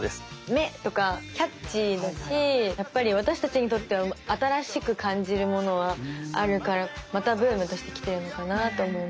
「めッ！」とかキャッチーだしやっぱり私たちにとっては新しく感じるものがあるからまたブームとして来てるのかなと思います。